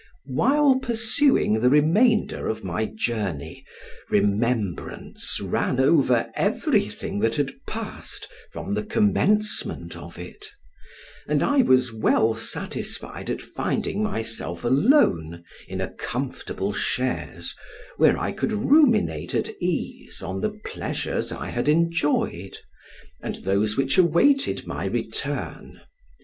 While pursuing the remainder of my journey, remembrance ran over everything that had passed from the commencement of it, and I was well satisfied at finding myself alone in a comfortable chaise, where I could ruminate at ease on the pleasures I had enjoyed, and those which awaited my return.